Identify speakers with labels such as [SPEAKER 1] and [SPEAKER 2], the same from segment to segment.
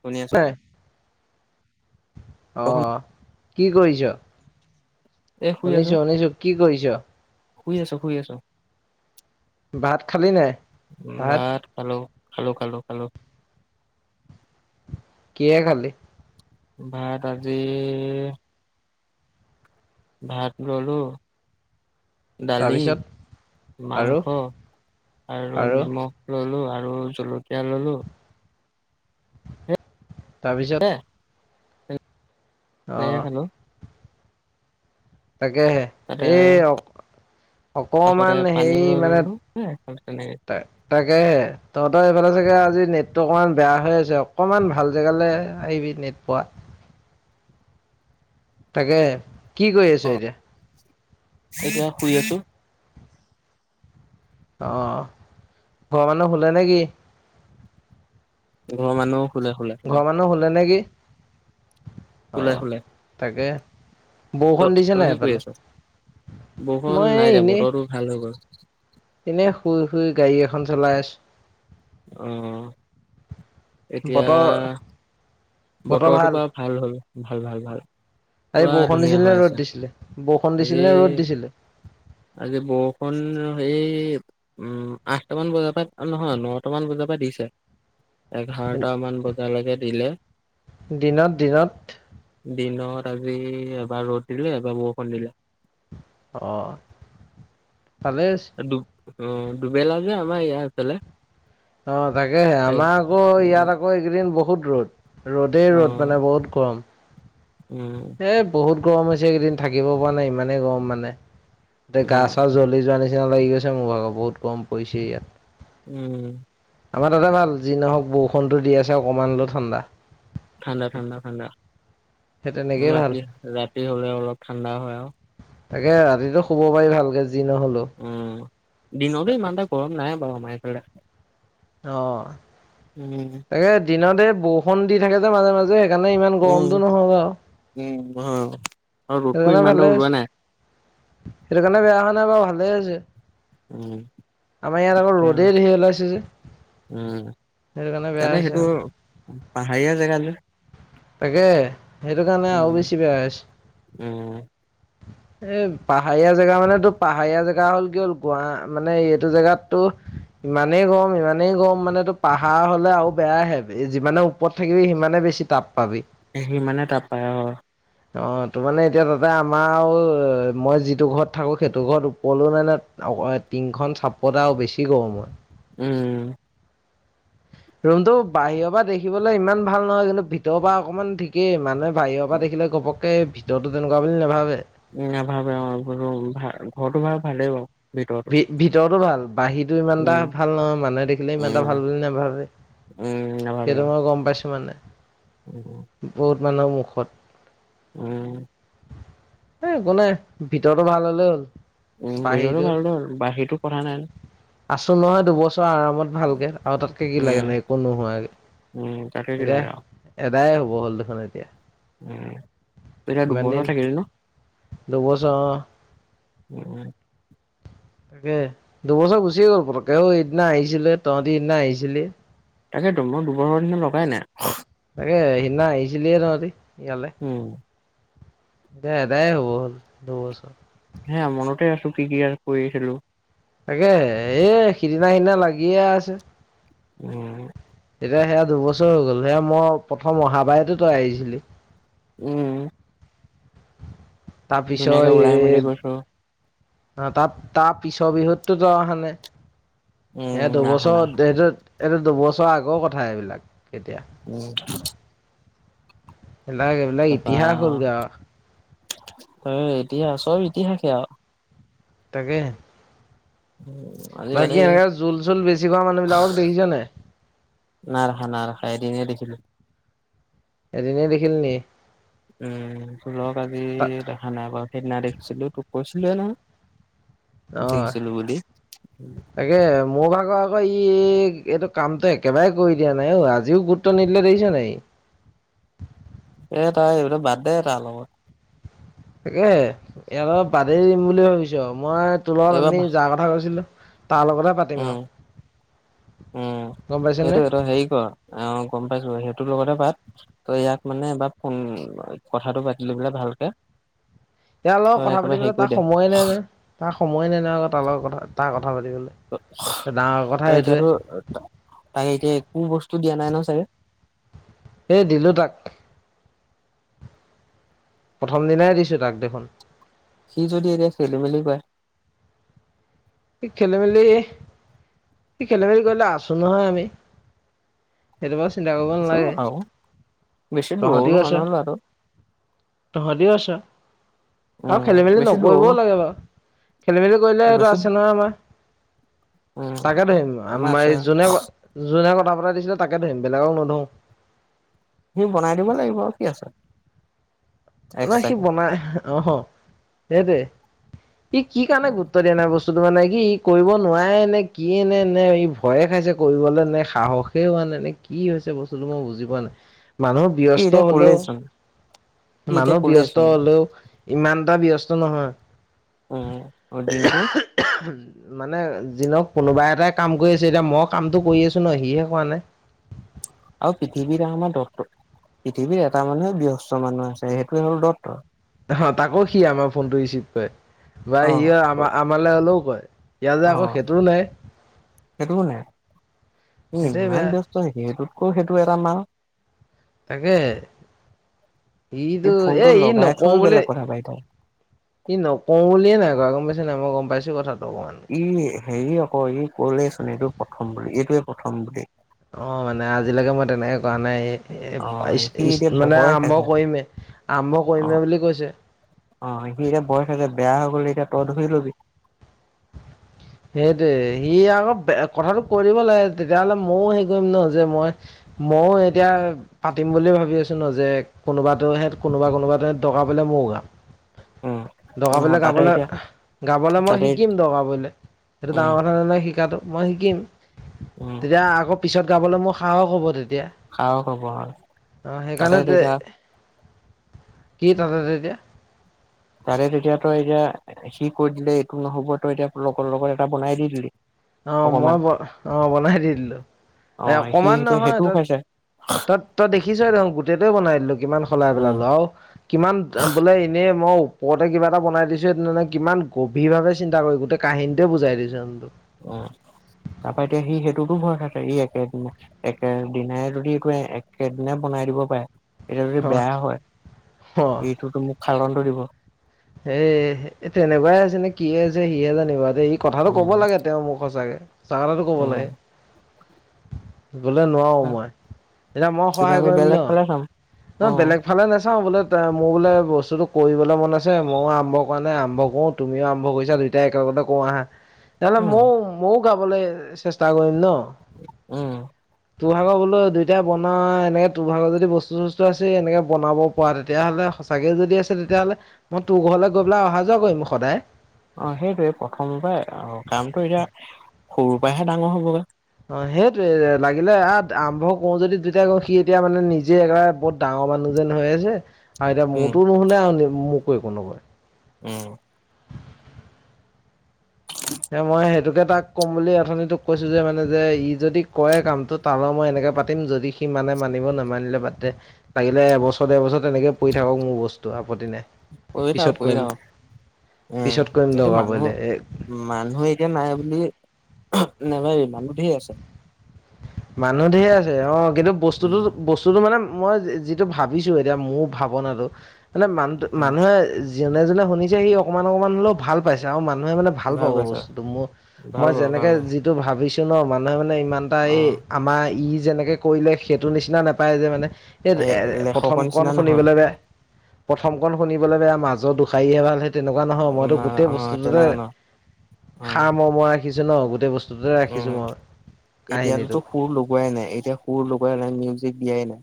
[SPEAKER 1] শুনি আছোঁ।
[SPEAKER 2] নাই অ', কি কৰিছ?
[SPEAKER 1] এ শুই আছো
[SPEAKER 2] শুনিছোঁ, শুনিছোঁ, কি কৰিছ'?
[SPEAKER 1] শুই আছোঁ, শুই আছোঁ,
[SPEAKER 2] ভাত খালি নাই
[SPEAKER 1] উম, ভাত খালোঁ। খালোঁ, খালোঁ, খালোঁ।
[SPEAKER 2] কিহে খালি?
[SPEAKER 1] ভাত আজি ভাত ললো। দালি,
[SPEAKER 2] তাৰপিছত আৰু
[SPEAKER 1] মাংস আৰু নিমখ ললোঁ। আৰু আৰু জলকীয়া ললোঁ।
[SPEAKER 2] তাৰপিছত। অ
[SPEAKER 1] নেকে খালোঁ।
[SPEAKER 2] তাকেহে,
[SPEAKER 1] তাতে
[SPEAKER 2] এই
[SPEAKER 1] কাষতে
[SPEAKER 2] অ-অকমান
[SPEAKER 1] পানী
[SPEAKER 2] হেৰি
[SPEAKER 1] লৈ
[SPEAKER 2] মানে
[SPEAKER 1] ললো এ খালো তেনেকে
[SPEAKER 2] তাক তাকেহে, তহঁতৰ এইফালে চাগে আজি নেটটো অকমান বেয়া হৈ আছে অকনমান ভাল জেগালৈ আহিবি নেট পোৱা তাকে কি কৰি
[SPEAKER 1] অ,
[SPEAKER 2] আছো এতিয়া
[SPEAKER 1] এতিয়া শুই আছো
[SPEAKER 2] অ ঘৰৰ মানুহ হুলে নেকি
[SPEAKER 1] ঘৰৰ মানুহ শুলে শুলে শুলে
[SPEAKER 2] ঘৰৰ মানুহ হুলে নেকি অ
[SPEAKER 1] শুলে শুলে
[SPEAKER 2] তাকে
[SPEAKER 1] ত
[SPEAKER 2] বৰষুণ দিছে
[SPEAKER 1] তই
[SPEAKER 2] নাই
[SPEAKER 1] কি কৰি
[SPEAKER 2] সেফালে?
[SPEAKER 1] আছ বৰষুণ
[SPEAKER 2] মই
[SPEAKER 1] নাই দিয়া
[SPEAKER 2] এনেই
[SPEAKER 1] বতৰটো ভাল হৈ গ'ল
[SPEAKER 2] এনে শুই শুই গাড়ী এ এখন চলাই আছো
[SPEAKER 1] অ এতিয়া
[SPEAKER 2] বতৰ
[SPEAKER 1] বতৰটোৰ পৰা ভাল হল ভাল ভাল ভাল
[SPEAKER 2] আজি
[SPEAKER 1] পুৰা
[SPEAKER 2] বৰষুণ
[SPEAKER 1] ধুনীয়া
[SPEAKER 2] দিছিলে নে
[SPEAKER 1] হৈ
[SPEAKER 2] ৰ'দ
[SPEAKER 1] আছে।
[SPEAKER 2] দিছিলে? বৰষুণ দিছিলে
[SPEAKER 1] আজি
[SPEAKER 2] নে ৰ'দ দিছিলে?
[SPEAKER 1] আজি বৰষুণ সেই উম আঠটামান বজাৰ পৰা নহয় ন টা মান বজাৰ পৰা দিছে এঘাৰটা মান বজালৈকে দিলে
[SPEAKER 2] দিনত দিনত
[SPEAKER 1] দিন আজি এবাৰ ৰোদ দিলে এবাৰ বৰষুণ দিলে
[SPEAKER 2] অ তালে,
[SPEAKER 1] দু অ দুবেলা যে আমাৰ ইয়া আছিলে
[SPEAKER 2] অ তাকে আমাৰ আকৌ ইয়াত আকৌ এইকেইদিন বহুত ৰ'দ ৰ'দেই
[SPEAKER 1] অ
[SPEAKER 2] ৰ'দ মানে বহুত গৰম
[SPEAKER 1] উম
[SPEAKER 2] এ বহুত গৰম হৈছে এই কেইদিন থাকিব পৰা নাই ইমানেই গৰম মানে। এয়া গা
[SPEAKER 1] উম
[SPEAKER 2] চা জ্বলি যোৱা নিচিনা লাগি গৈছে মোৰ ভাগত বহুত কম পৰিছে ইয়াত
[SPEAKER 1] উম,
[SPEAKER 2] আমাৰ তাতে ভাল যি দিনাখন বৰষুণটো দি আছে অকণমান হলেও ঠাণ্ডা।
[SPEAKER 1] ঠাণ্ডা ঠাণ্ডা ঠাণ্ডা
[SPEAKER 2] সেই তেনেকেই ভাল।
[SPEAKER 1] ৰাতি ৰাতি হ'লে অলপ ঠাণ্ডা হয় আৰু
[SPEAKER 2] তাকে ৰাতিতটো শুব পাৰি ভালকে যি নহ'লেও।
[SPEAKER 1] উম দিনতো ইমানটা গৰম নাই বাৰু আমাৰফালে
[SPEAKER 2] অ
[SPEAKER 1] উম
[SPEAKER 2] দিনতে বৰষুণ দি থাকে যে মাজে মাজে সেইকাৰণে ইমান গৰমটো নহয় বাৰু
[SPEAKER 1] অ আৰু
[SPEAKER 2] সেইটো
[SPEAKER 1] ৰ'দটো
[SPEAKER 2] কাৰণে
[SPEAKER 1] ইমান
[SPEAKER 2] ভালে হৈছে
[SPEAKER 1] ওলোৱা নাই
[SPEAKER 2] সেইটো কাৰণে বেয়া হোৱা নাই বাৰু ভালে আছে
[SPEAKER 1] উম,
[SPEAKER 2] আমাৰ ইয়াত আকৌ
[SPEAKER 1] এতিয়া
[SPEAKER 2] ৰদেই ওলাইছে যে।
[SPEAKER 1] উম
[SPEAKER 2] সেইটো কাৰণে বেয়া
[SPEAKER 1] তানে
[SPEAKER 2] হৈছে
[SPEAKER 1] সেইটো
[SPEAKER 2] আৰু
[SPEAKER 1] পাহাৰীয়া জেগা যে।
[SPEAKER 2] তাকে সেইটো কাৰণে আৰু
[SPEAKER 1] উম,
[SPEAKER 2] বেছি বেয়া আছে
[SPEAKER 1] উম।
[SPEAKER 2] এ পাহাৰীয়া জেগা মানটো পাহাৰীয়া জেগা হ'ল কি হ'ল গুৱ মানে এইটো জেগাতটো ইমানেই গৰম ইমানেই গৰম মানে টো পাহাৰ হলে আৰু বেয়া হে যিমানে ওপৰত থাকিবি ইমানে বেছি তাপ পাবি
[SPEAKER 1] এ সিমানে তাপ পায় আহ
[SPEAKER 2] অ তো মানে এতিয়া তাতে আমাৰ মই যিটো ঘৰত থাকো সেইটো ঘৰত ওপলো নাই নে অ টিংখন চাপতে বেছি গৰম হয়
[SPEAKER 1] উম
[SPEAKER 2] ৰুমতটো বাহিৰৰ পৰা দেখিবলৈ ইমান ভাল নহয় কিন্তু ভিতৰৰ পৰা অকনমান ঠিকেই মানে বাহিৰৰ পৰা
[SPEAKER 1] উম,
[SPEAKER 2] দেখিলে ঘপককে ভিতৰতো তেনেকুৱা বুলি নাভাবে
[SPEAKER 1] নাভাবে অ ঘৰটো ভাল ভালেই বাৰু ভিতৰতো
[SPEAKER 2] ভি ভিতৰতো ভাল। বাহিৰতটো ইমান এটা
[SPEAKER 1] উম,
[SPEAKER 2] ভাল নহয় মানুহে দেখিলে ইমান এটা
[SPEAKER 1] উম,
[SPEAKER 2] ভাল বুলি নাভাবে
[SPEAKER 1] উম,
[SPEAKER 2] সেইটো মই গম পাইছো মানে।
[SPEAKER 1] উম উম,
[SPEAKER 2] বহুত মানুহৰ মুখত,
[SPEAKER 1] উম,
[SPEAKER 2] সেই একো নাই ভিতৰটো ভাল হ'লে হল।
[SPEAKER 1] উম
[SPEAKER 2] বাহিৰতো
[SPEAKER 1] [inaudible]
[SPEAKER 2] আছো নহয় এইটো বস্তু আৰামত ভালকে আৰু তাতকে কি
[SPEAKER 1] উম,
[SPEAKER 2] লাগে নো একো
[SPEAKER 1] উম, তাকে কি
[SPEAKER 2] নোহোৱাকে
[SPEAKER 1] লাগে আৰু
[SPEAKER 2] সদায় হ'ব হ'ল দেখোন এতিয়া
[SPEAKER 1] উম তই এতিয়া
[SPEAKER 2] ইমান দিন
[SPEAKER 1] দুবছৰ থাকিল ন
[SPEAKER 2] দুবছৰ অ
[SPEAKER 1] উম হয়।
[SPEAKER 2] তাকে দুবছৰ গুচিয়ে গ'ল পটকে সেইদিনা আহিছিলে তহঁতি সেইদিনা আহিছিলি
[SPEAKER 1] তাকেইটো মই দুবছৰ দিনা লগাই ন
[SPEAKER 2] তাকে সিদিনা আহিছিলি তহঁতি ইয়ালে।
[SPEAKER 1] উম,
[SPEAKER 2] দেদায় হ'ব দুবছৰ
[SPEAKER 1] হে মনতে আছো কি কি কৰিছিলো
[SPEAKER 2] তাকে এই সিদিনা সিদিনা লাগিয়ে আছে
[SPEAKER 1] উম
[SPEAKER 2] এতিয়া সেয়া দুবছৰ হৈ গ'ল সেয়া মই প্ৰথম অহাবায়তো তই আহিছিলি
[SPEAKER 1] উম,
[SPEAKER 2] তাৰ
[SPEAKER 1] ধুনীয়াকে
[SPEAKER 2] পিছত
[SPEAKER 1] ওলাই মেলি
[SPEAKER 2] এ
[SPEAKER 1] গৈছো
[SPEAKER 2] অ তাত তাৰ পিছৰ বিহুতো তই অহা নাই।
[SPEAKER 1] উম
[SPEAKER 2] এ
[SPEAKER 1] নাহা নাহা
[SPEAKER 2] দুবছৰ এইটো এইটো দুবছৰৰ আগৰ কথা এইবিলাক। এতিয়া
[SPEAKER 1] উম
[SPEAKER 2] এইবিলাক এইবিলাক ইতিহাস হ'ল গে আও,
[SPEAKER 1] অ এতিয়া চব ইতিহাসে আৰু
[SPEAKER 2] তাকে
[SPEAKER 1] উম আজিকালি
[SPEAKER 2] বাকী এনেকে জোল চোল বেছি খোৱা মানুহ বিলাকক দেখিছানে নাই
[SPEAKER 1] না ৰাখা না ৰাখা এদিন হে দেখিলো
[SPEAKER 2] এদিনহে দেখিলি নেকি
[SPEAKER 1] উম, ধুলক আজি দেখা নাই বাৰু সেইদিনা দেখিছিলো তোক কৈছিলো নহয়।
[SPEAKER 2] অ,
[SPEAKER 1] দেখিছিলো বুলি
[SPEAKER 2] তাকে মোৰ ভাগৰ আকৌ ই, এইটো কামটো একেবাৰে কৰি দিয়া নাই অ, আজিও গুৰুত্ব নিদিলে দেখিছ নে নাই ই।
[SPEAKER 1] এ তাই এইবতো বাদ দে তাৰ লগত।
[SPEAKER 2] তাকে এয়া বাৰু বাদেই দিম বুলি ভাবিছো মই তলত
[SPEAKER 1] এইবাৰ
[SPEAKER 2] আনি যাৰ কথা কৈছিলো। তাৰ লগতে পাতিম
[SPEAKER 1] উম
[SPEAKER 2] আৰু।
[SPEAKER 1] উম,
[SPEAKER 2] গম পাইছনে
[SPEAKER 1] এটো এটা হেৰি কৰ অ, গম পাইছো সেইটো। তোৰ লগতে পাত ত' ইয়াক মানে এবাৰ ফোন কথাটো পাতিলে বোলে ভালকে।
[SPEAKER 2] ইয়াৰ লগত
[SPEAKER 1] তই
[SPEAKER 2] কথা
[SPEAKER 1] একেবাৰে হেৰি
[SPEAKER 2] পাতিবলে
[SPEAKER 1] কৰি
[SPEAKER 2] তাক
[SPEAKER 1] দে
[SPEAKER 2] সময়ে নাই নে তাক সময়ে নাই নে তাৰ লগৰ কথা তাৰ কথা, পাতিবলৈ ডাঙৰ কথা
[SPEAKER 1] ত'
[SPEAKER 2] সেইটোৱে
[SPEAKER 1] এতিয়াতো তাকে এতিয়া কোনো বস্তু দিয়া নাই ন। চাগে,
[SPEAKER 2] এ দিলো তাক। প্ৰথম দিনাই দিছো তাক দেখোন।
[SPEAKER 1] সি যদি এতিয়া খেলি মেলি কৰে।
[SPEAKER 2] সি খেলি মেলি, সি খেলে মেলি কৰিলে আছো নহয় আমি। সেইটো বাৰু চিন্তা কৰিব
[SPEAKER 1] আছো
[SPEAKER 2] নালাগে
[SPEAKER 1] আৰু বেছি দূৰও
[SPEAKER 2] তহঁতেও
[SPEAKER 1] নহয়
[SPEAKER 2] আছা।
[SPEAKER 1] নহয় ল'ৰাটো
[SPEAKER 2] তহঁতেও আছা। আৰু
[SPEAKER 1] উম
[SPEAKER 2] খেলি মেলি
[SPEAKER 1] বেছি দূৰও
[SPEAKER 2] নকৰিবও
[SPEAKER 1] ন
[SPEAKER 2] লাগে বাৰু খেলি মেলি কৰিলে এইটো,
[SPEAKER 1] বেছি
[SPEAKER 2] আছে নহয় আমাৰ
[SPEAKER 1] উম
[SPEAKER 2] তাকে ধৰিম আমাৰ এই যোনে ক যোনে ক, কথা বতাই দিছিলে তাকে ধৰিম বেলেগও নধও।
[SPEAKER 1] সি বনাই দিব লাগিব কি আছে।
[SPEAKER 2] নাই সি
[SPEAKER 1] এক্সট্ৰাকে
[SPEAKER 2] বনাই অ সেইটোৱে ই কি কাৰণে গুৰুত্ব দিয়া নাই বস্তু মানে কি ই কৰিব নোৱাৰে নে কি এ নে নে ই ভয়ে খাইছে কৰিবলৈ নে সাহসে হোৱা নাই এনে কি হৈছে বস্তুটো মই বুজি পোৱা নাই মানুহ
[SPEAKER 1] সি
[SPEAKER 2] ব্যস্ত
[SPEAKER 1] এতিয়া
[SPEAKER 2] হ'লেও
[SPEAKER 1] কলেজচোন সি এতিয়া
[SPEAKER 2] মানুহ ব্যস্ত
[SPEAKER 1] কলেজচোন
[SPEAKER 2] হ'লেও ইমানটা ব্যস্ত নহয়।
[SPEAKER 1] উ অ দিনটোৰ
[SPEAKER 2] মানে যিনক কোনোবা এটাই কাম কৰি আছে এতিয়া মই কামটো কৰি আছো ন সিহে কোৱা নাই
[SPEAKER 1] অ পৃথিৱী ডাঙৰ নে ডাক্তৰ পৃথিৱীৰ এটা মানুহে ব্যস্ত মানুহ আছে সেইটোৱে হ'ল দত্ত।
[SPEAKER 2] অ তাকো সি আমাৰ ফোন টো ৰিচিভ কৰে বা
[SPEAKER 1] অ
[SPEAKER 2] হি
[SPEAKER 1] সেইটো নাই
[SPEAKER 2] সেইটোৱে
[SPEAKER 1] ইমান
[SPEAKER 2] বেয়া।
[SPEAKER 1] ব্যস্ত সেইটোতকৈ সেইটো এটা মাৰ
[SPEAKER 2] তাকে হে
[SPEAKER 1] ই
[SPEAKER 2] ইটো এ
[SPEAKER 1] ফোনটো
[SPEAKER 2] ই
[SPEAKER 1] লগাই
[SPEAKER 2] নকও
[SPEAKER 1] থৈও
[SPEAKER 2] বুলে
[SPEAKER 1] বেলেগ কথা পাতি থাকে
[SPEAKER 2] ই নকও বুলিয়ে নাই ঘ গম নাই মই গম পাইছো কথাটো অকমানে
[SPEAKER 1] ই হেৰি আকৌ ই কলেইচোন এইটো প্ৰথম বুলি এইটোৱে প্ৰথম বুলি
[SPEAKER 2] অ মানে আজিলৈকে মই তেনেকে ক নাই
[SPEAKER 1] অ
[SPEAKER 2] স
[SPEAKER 1] সি
[SPEAKER 2] এ
[SPEAKER 1] এতিয়া
[SPEAKER 2] মানে
[SPEAKER 1] ভয়
[SPEAKER 2] আৰম্ভ
[SPEAKER 1] খাইছে
[SPEAKER 2] কৰিমে আৰম্ভ
[SPEAKER 1] অ
[SPEAKER 2] কৰিমে বুলি কৈছে।
[SPEAKER 1] অ সি এতিয়া বয়স আ যে বেয়া হৈ গ'ল এতিয়া তই ধৰি লবি
[SPEAKER 2] সেইটোৱে সি আকৌ কথাটো কৈ দিব লাগে তেতিয়া হ'লে ময়েও হে কৰিম ন যে মই ময়ও এতিয়া পাতিম বুলিুলিয়ে ভাবি আছো ন যে কোনোবা সত কোনোবা কোনোবাতেত দকা পলে
[SPEAKER 1] উম
[SPEAKER 2] দগাবলে
[SPEAKER 1] নহয় তাতে
[SPEAKER 2] গাবলৈ
[SPEAKER 1] এতিয়া
[SPEAKER 2] গাবলৈ মই
[SPEAKER 1] তাতে
[SPEAKER 2] শিকিম দগাবলে সেইটো ডাঙৰ
[SPEAKER 1] উম
[SPEAKER 2] কথা ন নহয় শিকাটো মই শিকিম
[SPEAKER 1] উম
[SPEAKER 2] তেতিয়া আকৌ পিছত গাবলৈ মোৰ সাহস হ'ব তেতিয়া
[SPEAKER 1] সাহস হব আৰু
[SPEAKER 2] এতিয়া অ
[SPEAKER 1] তাতে
[SPEAKER 2] সেইকাৰণে
[SPEAKER 1] তেতিয়া
[SPEAKER 2] কি তাতে এতিয়া।
[SPEAKER 1] তাৰে তেতিয়া তই এতিয়া সি কৈ দিলে এইটো নহ'ব তই এতিয়া লগৰ লগত এটা বনাই দি দিলি।
[SPEAKER 2] অ মই
[SPEAKER 1] অকমান
[SPEAKER 2] ব অ বনাই দি দিলো
[SPEAKER 1] অ
[SPEAKER 2] এই
[SPEAKER 1] সি
[SPEAKER 2] অকমান
[SPEAKER 1] এতিয়া
[SPEAKER 2] নহয়
[SPEAKER 1] সেইটোও
[SPEAKER 2] তাত
[SPEAKER 1] খাইছে
[SPEAKER 2] তই তই দেখিছেই দেখ গোটেইটে বনাই দিলো কিমান সলাই
[SPEAKER 1] উম
[SPEAKER 2] পেলালো আৰু কিমান বোলে এনেই মই পৰতে কিবা এটা বন দিছো সে কিমান গভীৰভাৱে চিন্তা কৰি গোটেই কাহিনীটোৱে বুজাই দিছোনটো
[SPEAKER 1] অ তাৰাপা এতিয়া সি সেইটোতো ভয় খা ই একেদ একে দিনাই যদি এইটো একেদিন বনাই দিব পাৰে এতিয়া যদি
[SPEAKER 2] অ
[SPEAKER 1] বেয়া হয় এইটোতো মোক খালনটো দিব।
[SPEAKER 2] এ তেনেকুৱাই আছে নে কি আছে সিহে জানিবাৰু যে এই কথাটো কব
[SPEAKER 1] উম
[SPEAKER 2] লাগে তেওঁ মোক সচাকে চাকথাটো কব লাগে।
[SPEAKER 1] উম
[SPEAKER 2] গ'লে নোৱাৰো মই এতিয়া মই
[SPEAKER 1] তেতিয়া
[SPEAKER 2] সহায়
[SPEAKER 1] আমি
[SPEAKER 2] কৰিম ন।
[SPEAKER 1] বেলেগ ফালে চাম
[SPEAKER 2] ন
[SPEAKER 1] অ
[SPEAKER 2] বেলেগ ফালে নাচাও বোলে মোৰ বোলে বস্তুটো কৰিবলে মন আছ আছে ময়ো আৰম্ভ কৰা নাই আৰম্ভ কৰো তুমিও আৰম্ভ কৰিছা দুইটাই একেলগতে কওঁ আহা। তেনেহ'লে
[SPEAKER 1] উম
[SPEAKER 2] ময়ও ময়ও গাবলৈ চেষ্টা কৰিম ন
[SPEAKER 1] উম।
[SPEAKER 2] তোৰভাগৰ বোলো দুইটাই বনা এনেকে তোৰভাগৰ যদি বস্তু চস্তু আছে এনেকে বনাব পৰা তেতিয়াহ'লে। সঁচাকে যদি আছে তেতিয়াহ'লে মই তোৰ ঘৰলৈ গৈ পেলাই অহা যোৱা কৰিম সদায়।
[SPEAKER 1] অ সেইটোৱে প্ৰথম পা অ কামটো এতিয়া সৰুৰ পৰাহে ডাঙৰ হবগৈ।
[SPEAKER 2] অ সেইটোৱে লাগিলে আ আৰম্ভ কৰো যদি দুতাই কওঁ সি এতিয়া মানে নিজে একেবাৰে বহুত ডাঙৰ মানুহ। যেন হৈ আছে আৰু এতিয়া
[SPEAKER 1] উম
[SPEAKER 2] মোৰতো নুশুলে [unintelligible] মোকো একো নকয়।
[SPEAKER 1] উম।
[SPEAKER 2] এ মই সেইটোকে তাক ক'ম বুলি অথনিটোক কৈছো যে মানে যে ই যদি কৰে কামটো তালৈ মই এনেকে পাতিম যদি সি মানে মানিব নামানিলে বাদ দে লাগিলে এবছৰ ডেৰ বছৰ তেনেকে পৰি থাকক মোৰ বস্তু আপত্তি নাই।
[SPEAKER 1] কৰি থাওক
[SPEAKER 2] পিছত
[SPEAKER 1] কৰি
[SPEAKER 2] কৰিম
[SPEAKER 1] থাকক, উম
[SPEAKER 2] পিছত কৰিম
[SPEAKER 1] এইটো
[SPEAKER 2] দৰকাৰ
[SPEAKER 1] মানুহ
[SPEAKER 2] পৰিলে এ
[SPEAKER 1] মানুহেই এতিয়া নাই বুলি নেভাবিবি মানুহ ধেৰ আছে।
[SPEAKER 2] মানুহ ধেৰ আছে অ কিন্তু বস্তুতটো
[SPEAKER 1] উম
[SPEAKER 2] বস্তুতটো মানে মই যিটো ভাবিছো এতিয়া মোৰ ভাৱনাটো মানে মানহটো
[SPEAKER 1] উম
[SPEAKER 2] মানুহে যি যোনে যোনে শুনিছে সি অকমান অকমান হলেও ভাল পাইছে আৰু মা মানুহে মানে ভাল পাব বস্তুটো,
[SPEAKER 1] ভাল
[SPEAKER 2] মই
[SPEAKER 1] বাৰু ভাল
[SPEAKER 2] যেনেকে
[SPEAKER 1] বাৰু
[SPEAKER 2] যিটো ভাবিছো ন মানুহে মানে ইমানটা
[SPEAKER 1] অ
[SPEAKER 2] এই আমাৰ ই যেনেকৈ কৰিলে সেইটো নিচিনা নাপায় যে মানে এই এ প্ৰথম
[SPEAKER 1] লেখকৰ নিচিনা
[SPEAKER 2] কন
[SPEAKER 1] নহয়
[SPEAKER 2] শুনিবলৈ বেয়া। প্ৰথম কন শুনিবলৈ বেয়া মাজৰ দুোসাৰীহে ভাল হে তেনেকুৱা নহয় মইতো গোটেই
[SPEAKER 1] অ
[SPEAKER 2] বস্তুটোতে
[SPEAKER 1] তেনেকুৱা ন অ
[SPEAKER 2] সাৰৰ্মম ৰাখিছো ন গোটেই বস্তু যতে ৰাখিছোঁ
[SPEAKER 1] উম
[SPEAKER 2] মই
[SPEAKER 1] এতিয়াতোতো
[SPEAKER 2] কাহিনীটো
[SPEAKER 1] সুৰ লগোৱাই নাই এতিয়া সুৰ লগোৱাই নাই, মিউজিক দিয়াই নাই।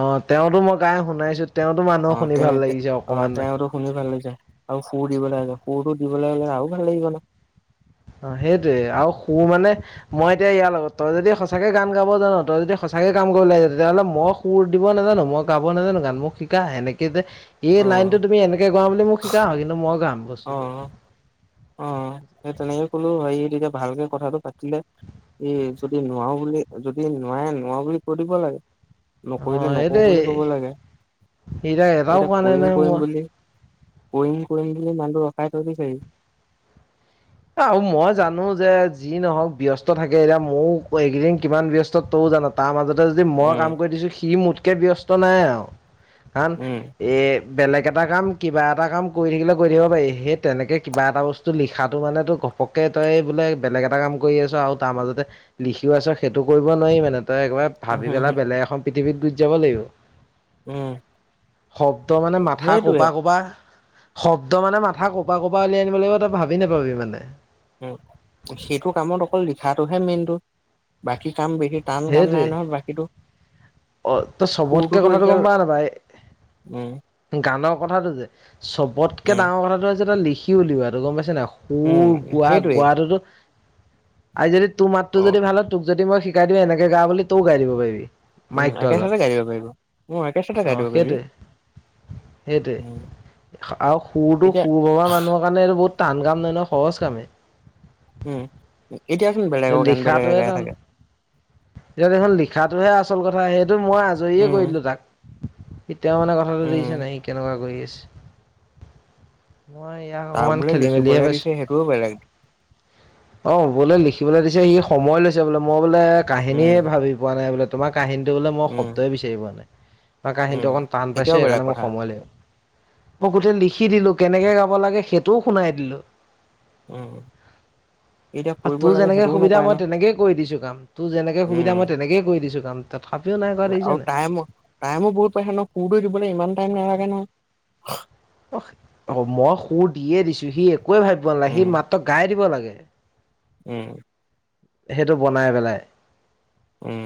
[SPEAKER 2] অ তেওঁতো মই গাই শুনাইছো তেওঁতো
[SPEAKER 1] অ
[SPEAKER 2] মানুহক শুনি
[SPEAKER 1] তেওঁ
[SPEAKER 2] ভাল
[SPEAKER 1] এটি,
[SPEAKER 2] লাগিছে
[SPEAKER 1] অ
[SPEAKER 2] অকমান
[SPEAKER 1] তেওঁতো শুনি ভাল লাগিছে আৰু সুৰ দিব লাগিব, সুৰটো দিবলৈ হ'লে আৰু ভাল লাগিব ন
[SPEAKER 2] অ সেইটোয়ে, আৰু সুৰ মানে, মই এতিয়া ইয়াৰ লগত তই যদি সঁচাকে গান গাব জান তই যদি সঁচ তেনেকে কাম কৰিব লাগিছে, তেতিয়াহ'লে মই সুৰ দিব নাজানো, মই গাব নাজানো গান, মোক শিকা সেনেকৈ যে এই
[SPEAKER 1] অ
[SPEAKER 2] লাইনটো তুমি এনেকে গোৱা বুলি মোক শিকা, কিন্তু মই গাম
[SPEAKER 1] অ
[SPEAKER 2] বস্তুটো
[SPEAKER 1] অ অ সেই তেনেকে ক'লো হেৰি তেতিয়া ভালকে কথাটো পাতিলে এ যদি নোৱাৰো বুলি, যদি নোৱাৰে নোৱাৰো বুলি কৈ দিব লাগে নকৰিলে নকৰো
[SPEAKER 2] সেইটোৱে
[SPEAKER 1] বুলি ক'ব লাগে
[SPEAKER 2] এটাও
[SPEAKER 1] এতিয়া
[SPEAKER 2] কোৱা নাই
[SPEAKER 1] কৰিম
[SPEAKER 2] নহয়
[SPEAKER 1] কৰিম
[SPEAKER 2] মই
[SPEAKER 1] বুলি কৰিম কৰিম বুলি মানুহটো ৰখাই থৈ দিছে সি।
[SPEAKER 2] মই জানো যে যি নহওক ব্যস্ত থাকে এতিয়া মও এইকেইদিন কিমান ব্যস্ত তৌ [unintelligible] তাৰ মাজত ত যদি মই
[SPEAKER 1] উম
[SPEAKER 2] কাম কৰি দিছো সি মোতকে ব্যস্ত নাই আৰু কাৰণ
[SPEAKER 1] উম
[SPEAKER 2] এ বেলেগ এটা কাম কিবা এটা কাম কৰি থাকিলে কৰি থাকিব পাৰি সেই তেনেকে কিবা এটা বস্তু লিখাত তটো মানে তো ঘপকে তই বোলে বেলেগ এটা কাম কৰি আছ আৰু তাৰ মাজতে লিখিও আছ সেইটো কৰিব নোৱাৰি মানে তই একেবাৰে ভাবি পেলাই
[SPEAKER 1] উম
[SPEAKER 2] বেলেগ এখন পৃথিৱীত গুছি যাব লাগিব।
[SPEAKER 1] উম
[SPEAKER 2] শব্দ মানে মাথা
[SPEAKER 1] সেইটোৱে
[SPEAKER 2] ক'পা ক'পা শব্দ মানে মাথা কপা ক'পা উলিয়াই আনিব লাগিব তই ভাবি নোপাবি মানে
[SPEAKER 1] উ সেইটো কামত অকল লিখাটোহে মেইনটো বাকী কাম বেছি টান কাম নাই
[SPEAKER 2] সেইটোৱে
[SPEAKER 1] নহয় বাকীটো
[SPEAKER 2] অ তই চবতকে
[SPEAKER 1] সুৰটোতো
[SPEAKER 2] কথাটো
[SPEAKER 1] এতিয়া
[SPEAKER 2] গম পাৱ নে নাপাৱ
[SPEAKER 1] উম
[SPEAKER 2] গানৰ কথাটো যে, চবতকে
[SPEAKER 1] উম
[SPEAKER 2] ডাঙৰ কথাটো হৈছে এটা লিখি উলিওৱাটো, গম পাইছ ন স
[SPEAKER 1] উম
[SPEAKER 2] গোৱা
[SPEAKER 1] সেইটোৱে
[SPEAKER 2] গোৱাটোতো, আ যদি তোৰ মাতটো
[SPEAKER 1] অ
[SPEAKER 2] যদি ভাল হয় যদি মই শিকাই দিওঁ এনেকে গা বুলি, তয়ো গাই দিব পাৰিবি
[SPEAKER 1] উম
[SPEAKER 2] মাইকটোৰ
[SPEAKER 1] একে
[SPEAKER 2] আগত
[SPEAKER 1] চাতে গাই দিব পাৰিব, উম একে চাতে
[SPEAKER 2] অ
[SPEAKER 1] গাই দিব পাৰিবি
[SPEAKER 2] সেইটোৱে সেইটোৱে
[SPEAKER 1] উম
[SPEAKER 2] আৰু সুৰটো
[SPEAKER 1] এতিয়া
[SPEAKER 2] সুৰ ভবা মানুহৰ কাৰণে এইটো বহুত টান কাম নহয় ন সহজ কামে।
[SPEAKER 1] উম এতিয়াচোন বেলেগৰ গান বেলেগে
[SPEAKER 2] লিখাতটোহে
[SPEAKER 1] গাই
[SPEAKER 2] তান,
[SPEAKER 1] থাকে।
[SPEAKER 2] এতিয়া দেখোন লিখাটোহে আচল কথা সেই কিন্তু মই আজৰিয়ে
[SPEAKER 1] উম,
[SPEAKER 2] কৰি দলোঁ তাক এতিয়াও মানে কথাটো
[SPEAKER 1] উম,
[SPEAKER 2] দিছে ন সি কেনেকুৱা কৰি আছে মই ইয়াক
[SPEAKER 1] তাক
[SPEAKER 2] অকমান
[SPEAKER 1] বোলে
[SPEAKER 2] খেলি মেলিহে
[SPEAKER 1] লিখিবলৈ
[SPEAKER 2] পাইছো
[SPEAKER 1] দিছে সেইটোও বেলেগ।
[SPEAKER 2] অ বোলে লী সি সময় লৈছে বোলে মই বোলে
[SPEAKER 1] উম,
[SPEAKER 2] কাহিনীয়ে ভাবি পোৱা নাই বোলে তোমাৰ কাহিনীটো বোলে মই
[SPEAKER 1] উম,
[SPEAKER 2] শব্দই বিচাৰি পোৱা নাই।
[SPEAKER 1] উম,
[SPEAKER 2] কাহিনীটো অকণ টান পাইছো
[SPEAKER 1] তেতিয়াও বেলেগ
[SPEAKER 2] সেইকাৰণে মোৰ
[SPEAKER 1] কথা।
[SPEAKER 2] সময় লাগিব মই গোটেই লিখি দিলো কেনেকে গাব লাগে সেইটোও শুনাই দিলো।
[SPEAKER 1] উম এতিয়া ক
[SPEAKER 2] তোৰ যেনেকে সুবিধা মই তেনেকেই কৰি দিছোঁ, কাম তোৰ যেনেকে সুবিধা মই
[SPEAKER 1] উম,
[SPEAKER 2] তেনেকেই কৰি দিছোঁ কাম। তথাপিও নাই কৰা দেখিছ
[SPEAKER 1] আৰু
[SPEAKER 2] নাই
[SPEAKER 1] টাইমো, টাইমো বহুত পাইছোঁ, ন' সুৰটো দিবলৈ ইমান টাইম নালাগে নহ।
[SPEAKER 2] অ', অ', মই সুৰ দিয়ে দিছোঁ সি এক কোৱে ভাবিব নালাগে,
[SPEAKER 1] উম,
[SPEAKER 2] সি মাত্ৰ গাই দিব লাগে।
[SPEAKER 1] উম,
[SPEAKER 2] সেইটো বনাই পেলাই।
[SPEAKER 1] উম